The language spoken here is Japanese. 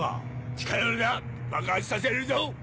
近寄るな爆発させるぞ。